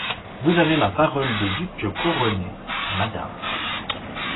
Vous avez ma parole de duc couronné, madame.